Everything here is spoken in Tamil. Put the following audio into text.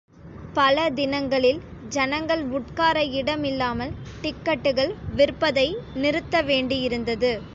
பல தினங்களில் ஜனங்கள் உட்கார இடமில்லாமல், டிக்கட்டுகள் விற்பதை நிறுத்த வேண்டியிருந்தது.